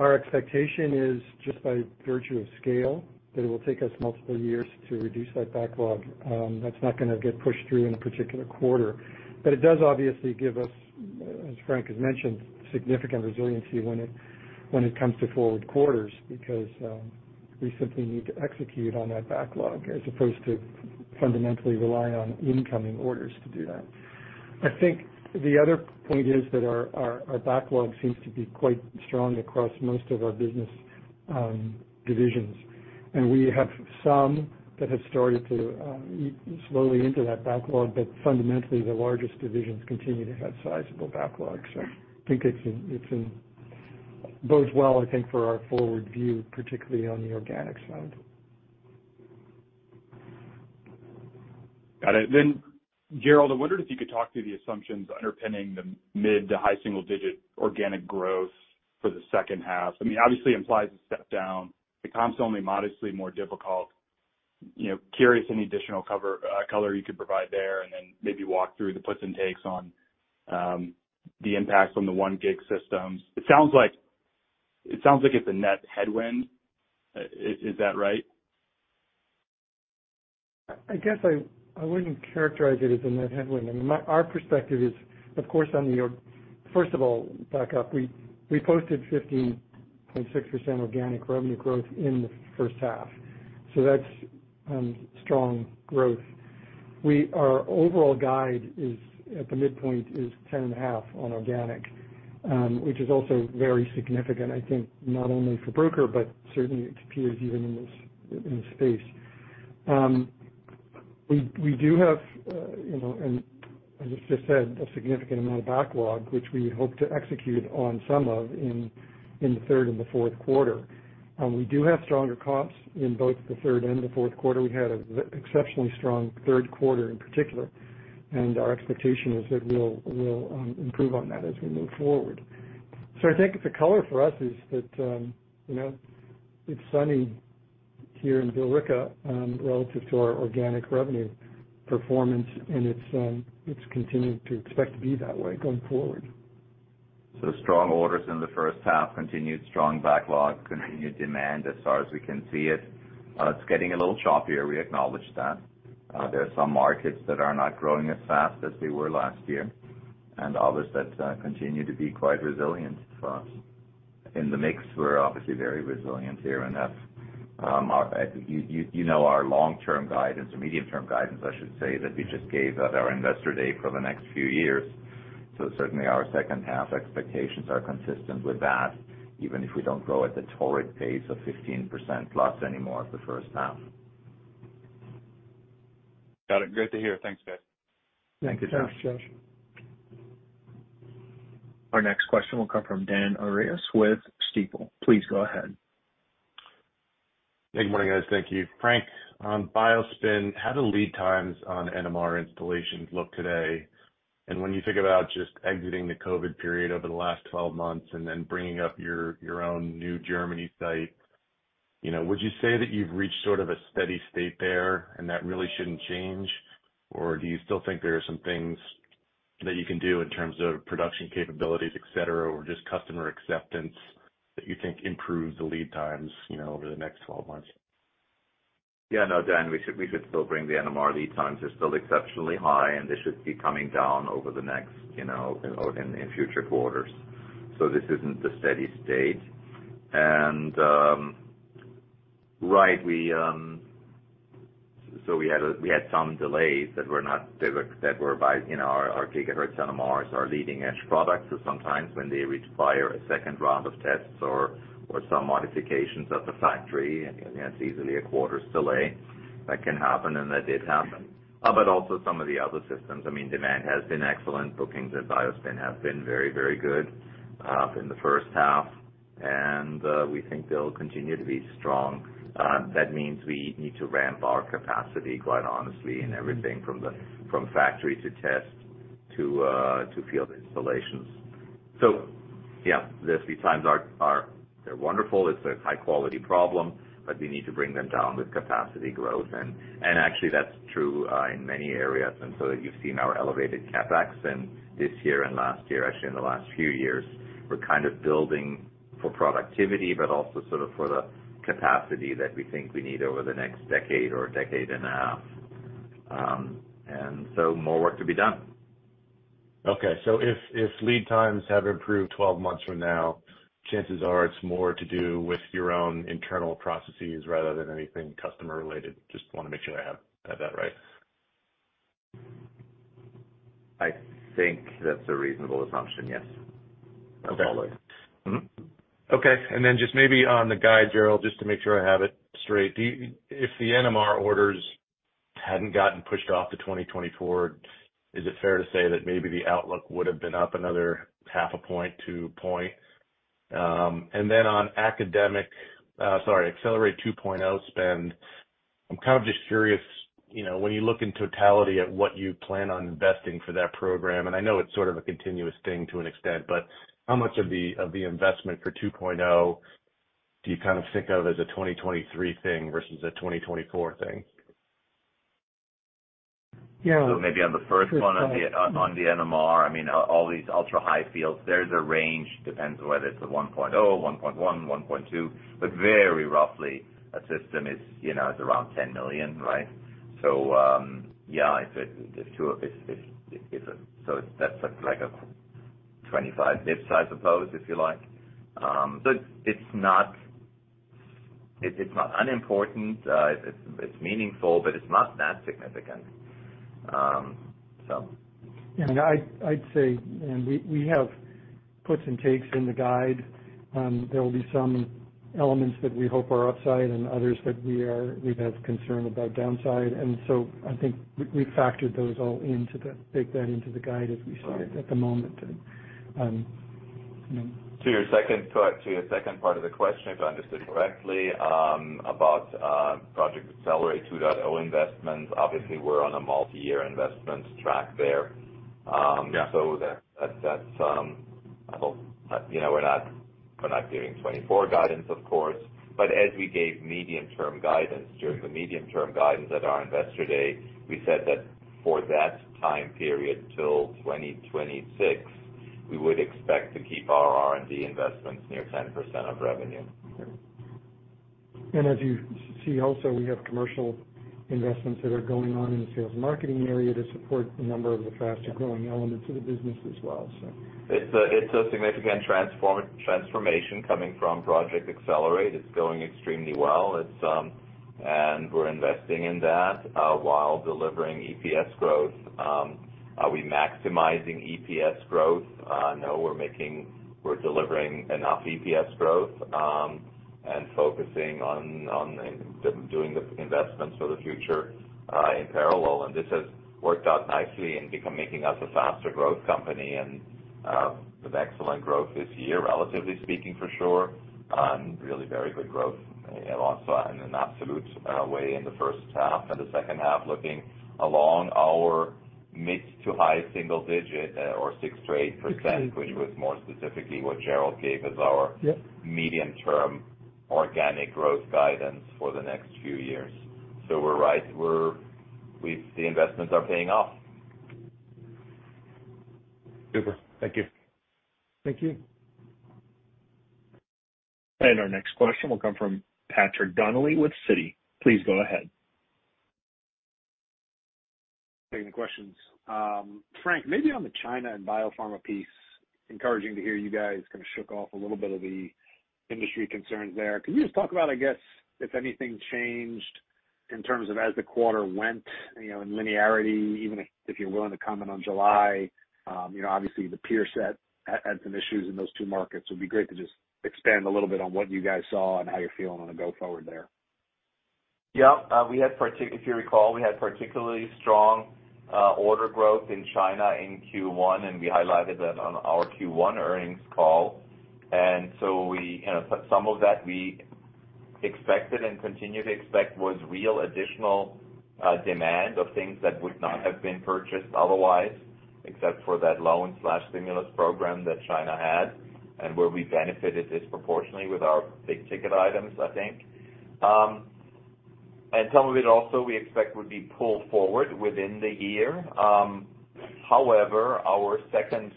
D: Our expectation is just by virtue of scale, that it will take us multiple years to reduce that backlog. That's not gonna get pushed through in a particular quarter. But it does obviously give us, as Frank has mentioned, significant resiliency when it, when it comes to forward quarters, because we simply need to execute on that backlog as opposed to fundamentally rely on incoming orders to do that. I think the other point is that our, our, our backlog seems to be quite strong across most of our business divisions, and we have some that have started to slowly into that backlog. Fundamentally, the largest divisions continue to have sizable backlogs. I think it's in bodes well, I think, for our forward view, particularly on the organic side.
G: Got it. Gerald, I wondered if you could talk through the assumptions underpinning the mid to high single-digit organic growth for the second half. I mean, obviously implies a step down. The comp's only modestly more difficult. You know, curious any additional cover, color you could provide there, and then maybe walk through the puts and takes on the impacts on the 1 gig systems. It sounds like, it sounds like it's a net headwind. Is, is that right?
D: I guess I, I wouldn't characterize it as a net headwind. I mean, our perspective is, of course, first of all, back up, we posted 15.6% organic revenue growth in the first half, so that's strong growth. Our overall guide is, at the midpoint, is 10.5% on organic, which is also very significant, I think, not only for Bruker, but certainly its peers, even in this, in this space. We do have, you know, and as I just said, a significant amount of backlog, which we hope to execute on some of in the third and the fourth quarter. We do have stronger comps in both the third and the fourth quarter. We had exceptionally strong third quarter in particular, and our expectation is that we'll, we'll improve on that as we move forward. I think the color for us is that, you know, it's sunny here in Billerica, relative to our organic revenue performance, and it's, it's continuing to expect to be that way going forward.
C: Strong orders in the first half, continued strong backlog, continued demand as far as we can see it. It's getting a little choppier, we acknowledge that. There are some markets that are not growing as fast as they were last year, and others that continue to be quite resilient for us. In the mix, we're obviously very resilient here, and that's, you know our long-term guidance, or medium-term guidance, I should say, that we just gave at our Investor Day for the next few years. Certainly our second half expectations are consistent with that, even if we don't grow at the torrid pace of 15%+ anymore of the first half.
G: Got it. Great to hear. Thanks, guys.
D: Thank you, Josh.
C: Thanks, Josh.
A: Our next question will come from Dan Arias with Stifel. Please go ahead.
H: Good morning, guys. Thank you. Frank, on BioSpin, how do lead times on NMR installations look today? When you think about just exiting the COVID period over the last 12 months and then bringing up your, your own new Germany site, you know, would you say that you've reached sort of a steady state there, and that really shouldn't change? Or do you still think there are some things that you can do in terms of production capabilities, et cetera, or just customer acceptance, that you think improves the lead times, you know, over the next 12 months?
C: Yeah, no, Dan, we should, we should still bring the NMR lead times are still exceptionally high, and they should be coming down over the next, you know, in, in future quarters. This isn't the steady state. Right, we had some delays that were not, that were, that were by, you know, our gigahertz NMRs, our leading-edge products, so sometimes when they require a second round of tests or, or some modifications at the factory, and that's easily a quarter's delay, that can happen, and that did happen. Also some of the other systems. I mean, demand has been excellent. Bookings at BioSpin have been very, very good in the first half, and we think they'll continue to be strong. That means we need to ramp our capacity, quite honestly, and everything from the, from factory to test to field installations. Yeah, the lead times are, they're wonderful. It's a high-quality problem, but we need to bring them down with capacity growth. Actually, that's true in many areas. You've seen our elevated CapEx in this year and last year, actually in the last few years. We're kind of building for productivity, but also sort of for the capacity that we think we need over the next decade or decade and a half. More work to be done.
H: Okay, if lead times have improved 12 months from now, chances are it's more to do with your own internal processes rather than anything customer related. Just want to make sure I have that right.
C: I think that's a reasonable assumption, yes. Absolutely.
H: Okay. Okay. Then just maybe on the guide, Gerald, just to make sure I have it straight. If the NMR orders hadn't gotten pushed off to 2024, is it fair to say that maybe the outlook would have been up another half a point, 2 point? Then on academic, sorry, Accelerate 2.0 spend, I'm kind of just curious, you know, when you look in totality at what you plan on investing for that program, and I know it's sort of a continuous thing to an extent, but how much of the, of the investment for 2.0 do you kind of think of as a 2023 thing versus a 2024 thing?
D: Yeah-
C: Maybe on the first one, on the NMR, I mean, all these ultrahigh fields, there's a range, depends on whether it's a 1.0, 1.1, 1.2, but very roughly, a system is, you know, is around $10 million, right? Yeah, if it, there's two of it, if, if, that's like 25 bits, I suppose, if you like. It's not, it's, it's not unimportant, it, it's meaningful, but it's not that significant.
D: Yeah, I'd, I'd say. We, we have puts and takes in the guide. There will be some elements that we hope are upside and others that we have concern about downside. I think we, we factored those all take that into the guide as we see it at the moment. You know.
C: To your second part, to your second part of the question, if I understood correctly, about Project Accelerate 2.0 investment, obviously, we're on a multi-year investment track there.
H: Yeah.
C: That, that's, well, you know, we're not, we're not giving 2024 guidance, of course, but as we gave medium-term guidance, during the medium-term guidance at our Investor Day, we said that for that time period till 2026, we would expect to keep our R&D investments near 10% of revenue.
D: As you see also, we have commercial investments that are going on in the sales and marketing area to support a number of the faster growing elements of the business as well, so.
C: It's a, it's a significant transformation coming from Project Accelerate. It's going extremely well. It's, and we're investing in that, while delivering EPS growth. Are we maximizing EPS growth? No, we're delivering enough EPS growth, and focusing on, on doing the investments for the future, in parallel. This has worked out nicely and become making us a faster growth company and, with excellent growth this year, relatively speaking, for sure, really very good growth, also in an absolute, way in the first half and the second half, looking along our mid to high single digit, or 6%-8%.
D: 6-8.
C: which was more specifically what Gerald gave as our-
D: Yep
C: medium-term organic growth guidance for the next few years. We're right, we, the investments are paying off.
H: Super. Thank you.
D: Thank you.
A: Our next question will come from Patrick Donnelly with Citi. Please go ahead.
I: Taking the questions. Frank, maybe on the China and biopharma piece, encouraging to hear you guys kind of shook off a little bit of the industry concerns there. Can you just talk about, I guess, if anything changed in terms of as the quarter went, you know, in linearity, even if, if you're willing to comment on July? You know, obviously, the peer set had, had some issues in those two markets. It'd be great to just expand a little bit on what you guys saw and how you're feeling on the go forward there.
C: Yeah, if you recall, we had particularly strong order growth in China in Q1, and we highlighted that on our Q1 earnings call. We, you know, some of that we expected and continue to expect was real additional demand of things that would not have been purchased otherwise, except for that loan slash stimulus program that China had and where we benefited disproportionately with our big ticket items, I think. And some of it also we expect would be pulled forward within the year. However, our second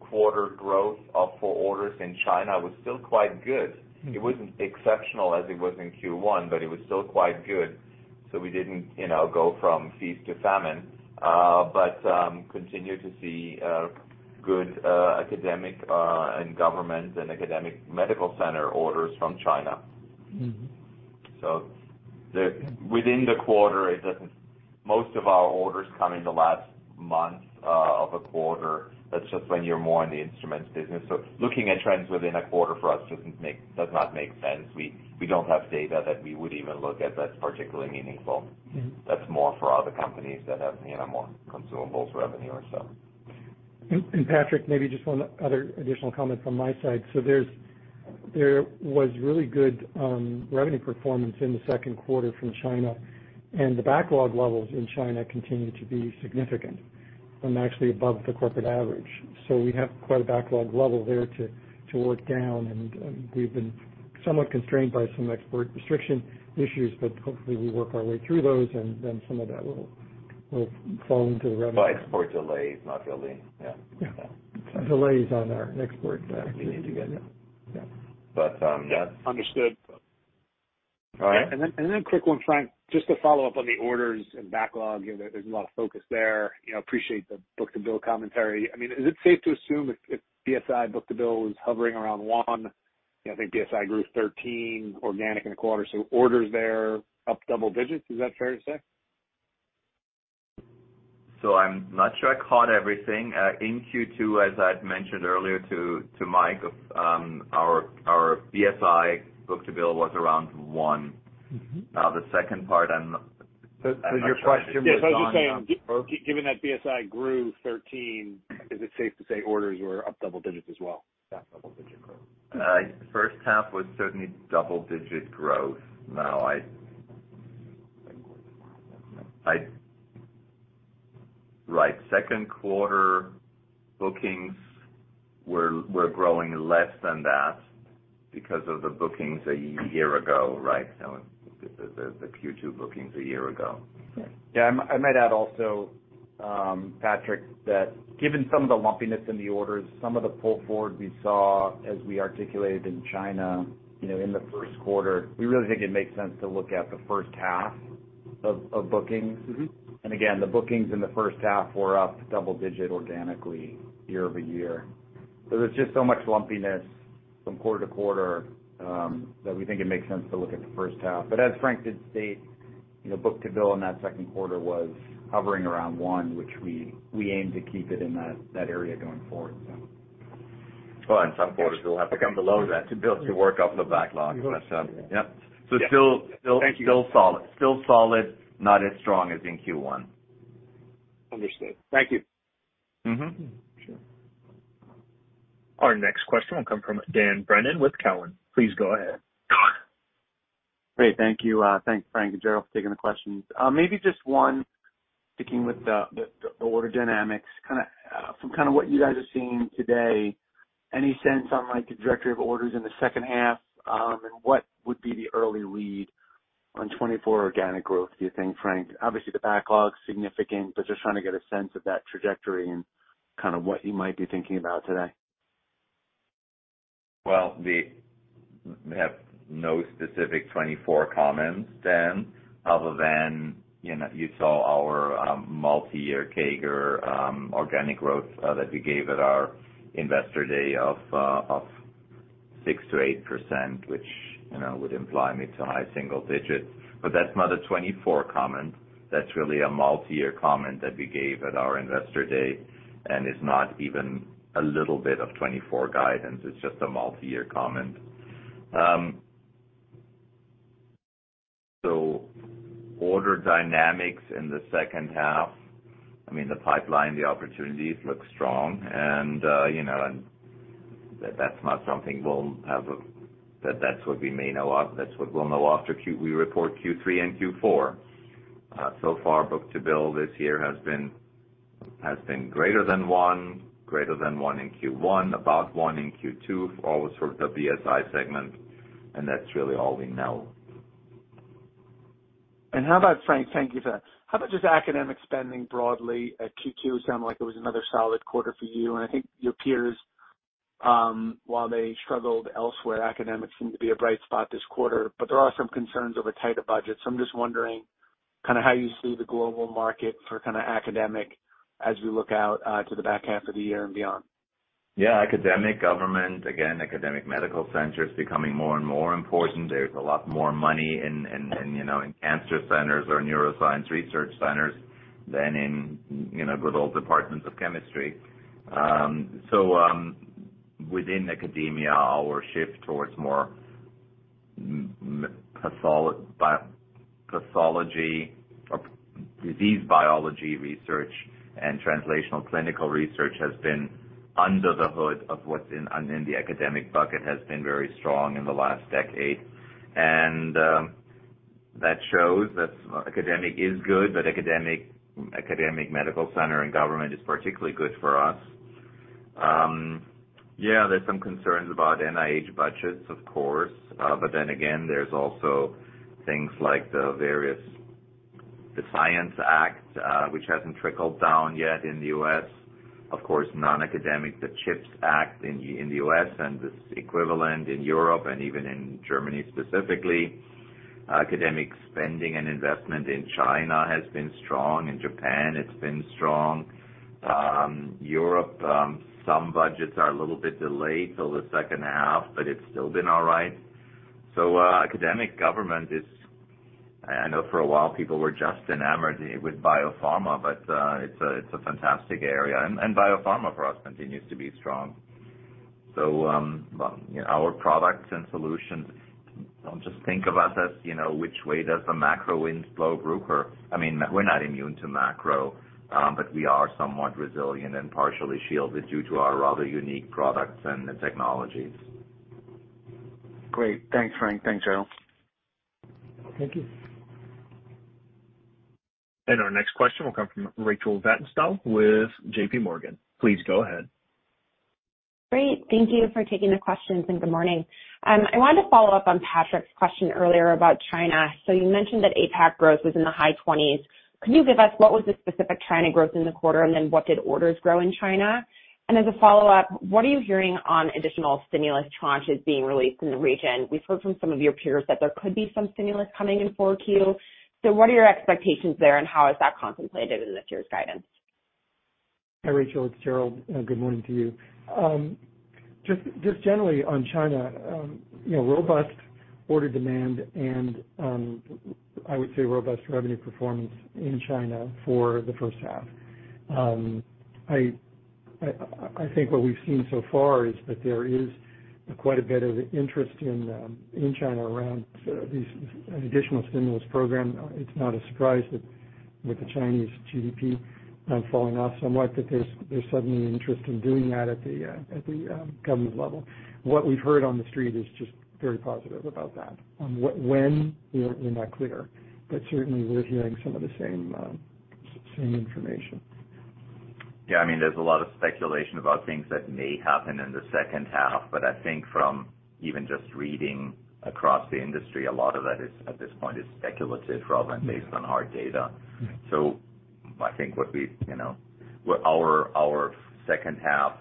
C: quarter growth of orders in China was still quite good. It wasn't exceptional as it was in Q1, but it was still quite good, so we didn't, you know, go from feast to famine, but continue to see good academic and government and academic medical center orders from China.
I: Mm-hmm.
C: Within the quarter, most of our orders come in the last month of a quarter. That's just when you're more in the instruments business. Looking at trends within a quarter for us does not make sense. We don't have data that we would even look at that's particularly meaningful.
I: Mm-hmm.
C: That's more for other companies that have, you know, more consumables revenue or so.
D: Patrick, maybe just one other additional comment from my side. There was really good revenue performance in the second quarter from China, and the backlog levels in China continue to be significant and actually above the corporate average. We have quite a backlog level there to, to work down, and we've been somewhat constrained by some export restriction issues, but hopefully, we work our way through those, and then some of that will, will flow into revenue.
C: By export delays, not really. Yeah.
D: Yeah.
C: Yeah.
D: Delays on our export need to get, yeah. Yeah.
C: Yeah.
I: Understood.
C: All right.
I: Quick one, Frank, just to follow up on the orders and backlog, you know, there's a lot of focus there. You know, appreciate the book-to-bill commentary. I mean, is it safe to assume if, if BSI book-to-bill was hovering around 1? I think BSI grew 13 organic in the quarter. Orders there up double digits. Is that fair to say?
C: I'm not sure I caught everything. In Q2, as I'd mentioned earlier to Mike, our BSI book-to-bill was around 1.
I: Mm-hmm.
C: Now, the second part, I'm not.
B: Was your question-
I: Yeah, I was just saying, given that BSI grew 13, is it safe to say orders were up double digits as well? That double digit growth.
C: first half was certainly double-digit growth. Right. second quarter bookings were growing less than that because of the bookings a year ago, right? The Q2 bookings a year ago.
D: Yeah, I, I might add also, Patrick, that given some of the lumpiness in the orders, some of the pull forward we saw as we articulated in China, you know, in the first quarter, we really think it makes sense to look at the first half of, of bookings.
C: Mm-hmm.
D: Again, the bookings in the first half were up double-digit organically year-over-year. There's just so much lumpiness from quarter to quarter that we think it makes sense to look at the first half. As Frank did state, you know, book-to-bill in that second quarter was hovering around 1, which we, we aim to keep it in that, that area going forward.
C: Well, in some quarters, we'll have to come below that to build, to work off the backlog. Yep.
D: Yeah.
C: Still, still, still solid. Still solid. Not as strong as in Q1.
I: Understood. Thank you.
C: Mm-hmm.
D: Sure.
A: Our next question will come from Dan Brennan with Cowen. Please go ahead.
J: Great. Thank you. Thanks, Frank and Gerald, for taking the questions. Maybe just one sticking with the order dynamics. Kind of, from kind of what you guys are seeing today, any sense on, like, the trajectory of orders in the second half? What would be the early read on 2024 organic growth, do you think, Frank? Obviously, the backlog is significant, but just trying to get a sense of that trajectory and kind of what you might be thinking about today.
C: Well, we have no specific 2024 comments, Dan, other than, you know, you saw our multi-year CAGR organic growth that we gave at our Investor Day of 6%-8%, which, you know, would imply mid- to high-single digit. That's not a 2024 comment. That's really a multi-year comment that we gave at our Investor Day, and it's not even a little bit of 2024 guidance. It's just a multi-year comment. Order dynamics in the second half, I mean, the pipeline, the opportunities look strong and, you know, that's not something we'll have. That's what we may know of. That's what we'll know after we report Q3 and Q4. So far, book-to-bill this year has been, has been greater than 1, greater than 1 in Q1, about 1 in Q2, for all sort of the BSI segment, and that's really all we know.
J: How about, Frank, thank you for that. How about just academic spending broadly at Q2? It sounded like it was another solid quarter for you. I think your peers, while they struggled elsewhere, academics seemed to be a bright spot this quarter, but there are some concerns over tighter budgets. I'm just wondering kind of how you see the global market for kind of academic as we look out to the back half of the year and beyond.
C: Yeah, academic, government, again, academic medical centers becoming more and more important. There's a lot more money in, in, in, you know, in cancer centers or neuroscience research centers than in, you know, good old departments of chemistry. So, within academia, our shift towards more biopathology or disease biology research and translational clinical research has been under the hood of what's in, in the academic bucket, has been very strong in the last decade. That shows that academic is good, but academic, academic medical center and government is particularly good for us. Yeah, there's some concerns about NIH budgets, of course, but then again, there's also things like the various, the Science Act, which hasn't trickled down yet in the U.S. Of course, non-academic, the CHIPS Act in, in the U.S. and its equivalent in Europe and even in Germany, specifically. Academic spending and investment in China has been strong. In Japan, it's been strong. Europe, some budgets are a little bit delayed till the second half, but it's still been all right. Academic government is... I know for a while people were just enamored with biopharma, but it's a, it's a fantastic area, and, and biopharma for us continues to be strong. Our products and solutions, don't just think about us, as, you know, which way does the macro winds blow group or... I mean, we're not immune to macro, but we are somewhat resilient and partially shielded due to our rather unique products and the technologies.
J: Great. Thanks, Frank. Thanks, Gerald.
D: Thank you.
A: Our next question will come from Rachel Vatnsdal with JPMorgan. Please go ahead.
K: Great. Thank you for taking the questions, and good morning. I wanted to follow up on Patrick's question earlier about China. You mentioned that APAC growth was in the high 20s. Could you give us what was the specific China growth in the quarter, and then what did orders grow in China? As a follow-up, what are you hearing on additional stimulus tranches being released in the region? We've heard from some of your peers that there could be some stimulus coming in 4Q. What are your expectations there, and how is that contemplated in this year's guidance?
D: Hi, Rachel, it's Gerald. Good morning to you. Just, just generally on China, you know, robust order demand and, I would say robust revenue performance in China for the first half. I, I, I think what we've seen so far is that there is quite a bit of interest in China around these, an additional stimulus program. It's not a surprise that with the Chinese GDP falling off somewhat, that there's, there's suddenly an interest in doing that at the, at the government level. What we've heard on the street is just very positive about that. On when, we're, we're not clear, but certainly we're hearing some of the same, same information.
C: Yeah, I mean, there's a lot of speculation about things that may happen in the second half, but I think from even just reading across the industry, a lot of that is, at this point, is speculative rather than based on hard data.
D: Mm-hmm.
C: I think what we, you know, what our, our second half,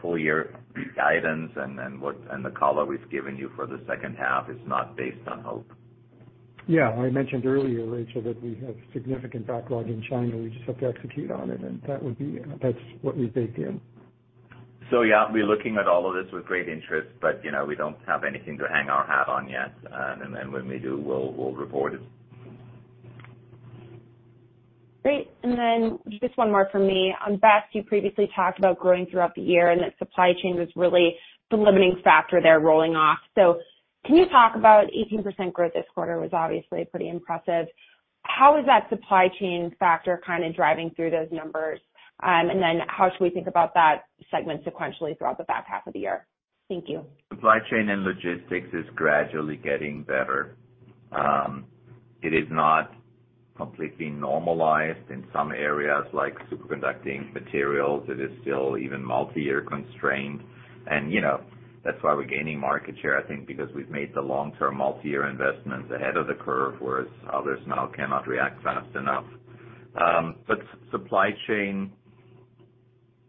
C: full year guidance and the color we've given you for the second half is not based on hope.
D: Yeah, I mentioned earlier, Rachel, that we have significant backlog in China. We just have to execute on it, and that would be. That's what we baked in.
C: Yeah, we're looking at all of this with great interest, but, you know, we don't have anything to hang our hat on yet. When we do, we'll, we'll report it.
K: Great. Just one more from me. On BEST, you previously talked about growing throughout the year, and that supply chain was really the limiting factor there rolling off. Can you talk about 18% growth this quarter was obviously pretty impressive? How is that supply chain factor kind of driving through those numbers? How should we think about that segment sequentially throughout the back half of the year? Thank you.
C: Supply chain and logistics is gradually getting better. It is not completely normalized in some areas, like superconducting materials, it is still even multi-year constrained. You know, that's why we're gaining market share, I think, because we've made the long-term, multi-year investments ahead of the curve, whereas others now cannot react fast enough. Supply chain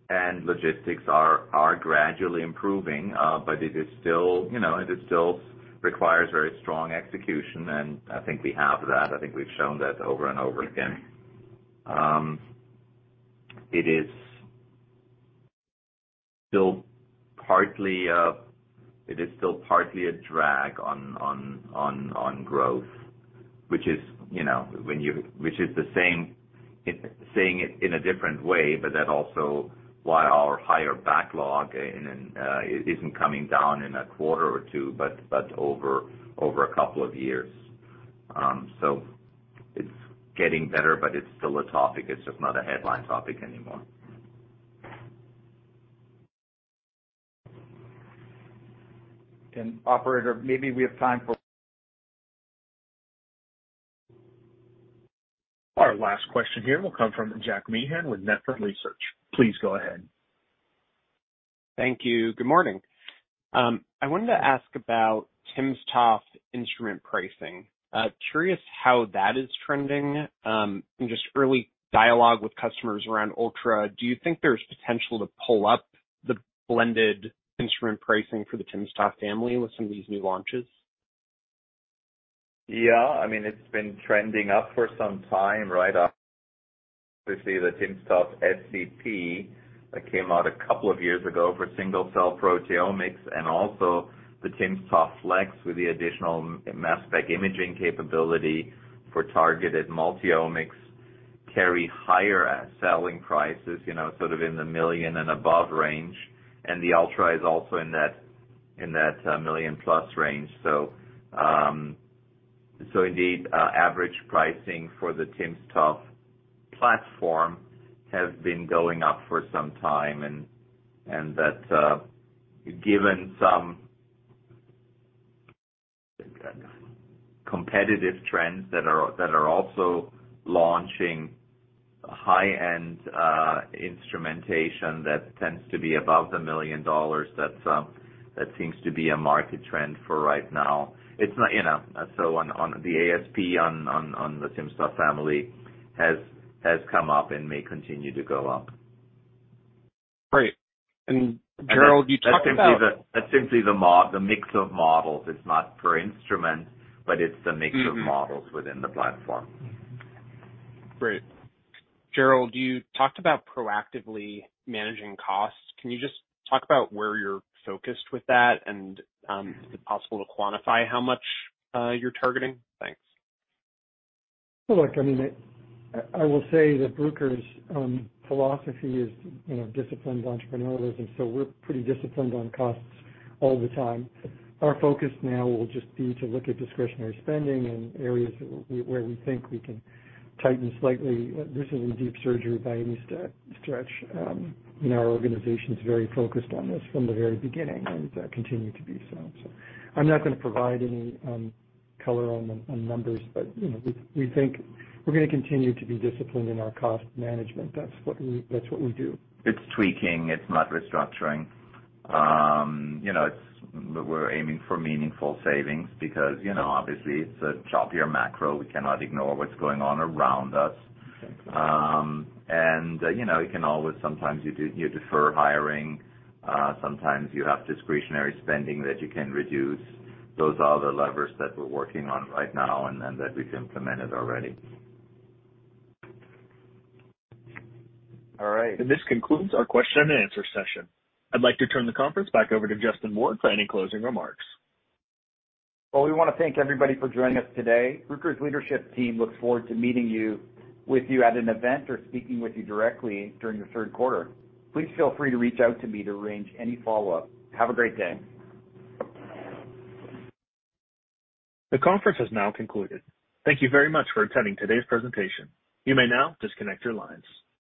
C: and logistics are, are gradually improving, but it is still, you know, it is still requires very strong execution, and I think we have that. I think we've shown that over and over again. It is still partly, it is still partly a drag on, on, on, on growth, which is, you know, which is the same, saying it in a different way, but that also why our higher backlog, isn't coming down in a quarter or two, but, but over, over a couple of years. It's getting better, but it's still a topic. It's just not a headline topic anymore.
B: Operator, maybe we have time for-
A: Our last question here will come from Jack Meehan with Nephron Research. Please go ahead.
L: Thank you. Good morning. I wanted to ask about timsTOF instrument pricing. Curious how that is trending, just early dialogue with customers around timsTOF Ultra. Do you think there's potential to pull up the blended instrument pricing for the timsTOF family with some of these new launches?
C: Yeah. I mean, it's been trending up for some time, right? Obviously, the timsTOF SCP that came out a couple of years ago for single-cell proteomics, and also the timsTOF fleX, with the additional mass spectrometry imaging capability for targeted multiomics, carry higher selling prices, you know, sort of in the $1 million and above range. The Ultra is also in that, in that $1 million+ range. Indeed, average pricing for the timsTOF platform has been going up for some time, and that given some competitive trends that are, that are also launching high-end instrumentation that tends to be above $1 million, that seems to be a market trend for right now. It's not, you know, so on the ASP, on the timsTOF family, has come up and may continue to go up.
L: Great. Gerald, you talked about-
C: That's simply the mix of models. It's not per instrument, but it's the mix.
L: Mm-hmm
C: of models within the platform.
L: Great. Gerald, you talked about proactively managing costs. Can you just talk about where you're focused with that? Is it possible to quantify how much you're targeting? Thanks.
D: Look, I mean, I, I will say that Bruker's philosophy is, you know, disciplined entrepreneurialism, so we're pretty disciplined on costs all the time. Our focus now will just be to look at discretionary spending and areas where we think we can tighten slightly. This isn't deep surgery by any stretch. You know, our organization is very focused on this from the very beginning, and continue to be so. I'm not going to provide any color on the numbers, but, you know, we think we're going to continue to be disciplined in our cost management. That's what we, that's what we do.
C: It's tweaking, it's not restructuring. You know, it's we're aiming for meaningful savings because, you know, obviously, it's a choppier macro. We cannot ignore what's going on around us. You know, you can always, sometimes you do, you defer hiring, sometimes you have discretionary spending that you can reduce. Those are the levers that we're working on right now and then that we've implemented already.
L: All right.
A: This concludes our question and answer session. I'd like to turn the conference back over to Justin Ward for any closing remarks.
B: Well, we want to thank everybody for joining us today. Bruker's leadership team looks forward to meeting you, with you at an event or speaking with you directly during the third quarter. Please feel free to reach out to me to arrange any follow-up. Have a great day.
A: The conference has now concluded. Thank you very much for attending today's presentation. You may now disconnect your lines.